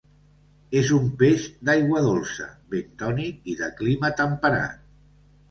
És un peix d'aigua dolça, bentònic i de clima temperat.